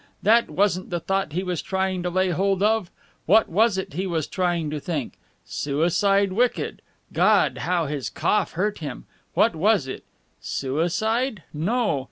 That wasn't the thought he was trying to lay hold of. What was it he was trying to think? Suicide wicked God, how this cough hurt him. What was it Suicide? No!